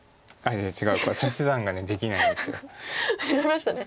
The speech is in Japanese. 違いましたね。